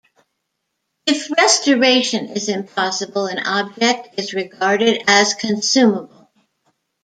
If restoration is impossible an object is regarded as consumable.